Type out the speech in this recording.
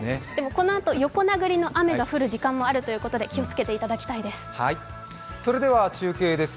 このあと、横殴りの雨が降る時間帯もあるということで、気をつけていただきたいです。